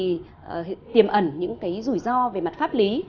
thì tiềm ẩn những cái rủi ro về mặt pháp lý